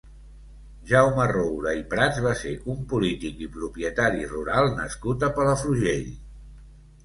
Jaume Roure i Prats va ser un polític i propietari rural nascut a Palafrugell.